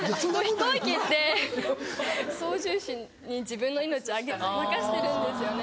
飛行機って操縦士に自分の命任せてるんですよね。